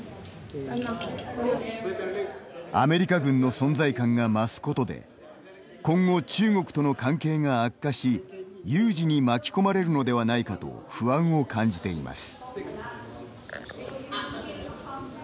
アメリカ軍の存在感が増すことで今後、中国との関係が悪化し有事に巻き込まれるのではないかと不安を感じています。